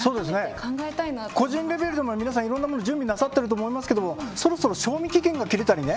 個人レベルでも皆さんいろんなもの準備なさってると思いますけどもそろそろ賞味期限が切れたりね。